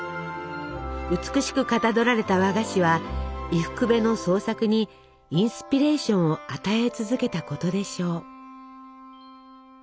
美しくかたどられた和菓子は伊福部の創作にインスピレーションを与え続けたことでしょう。